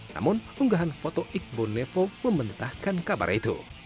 namun unggahan foto iqbal nevo mementahkan kabar itu